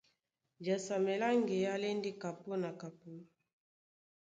Jasamɛ lá ŋgeá lá e ndé kapɔ́ na kapɔ́,